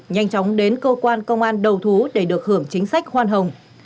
nhanh chóng đến cơ quan công an đầu thú để được hưởng chính sách khoan hồng